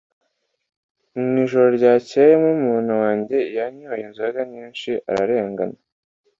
mu ijoro ryakeye, murumuna wanjye yanyoye inzoga nyinshi ararengana